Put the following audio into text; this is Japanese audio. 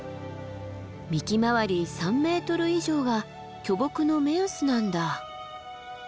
幹回り３ｍ以上が巨木の目安なんだ。